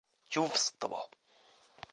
чувство